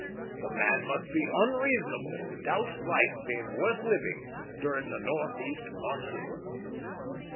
The man must be unreasonable who doubts life being worth living during the northeast monsoon.